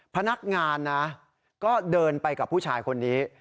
พนักงานนะก็เดินไปกับผู้ชายคนนี้